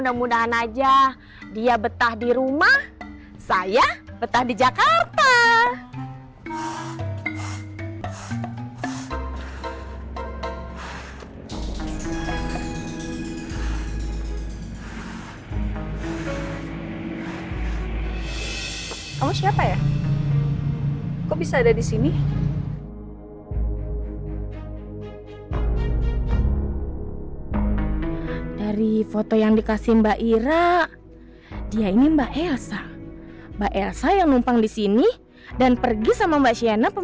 kamu tuh kalau punya rasa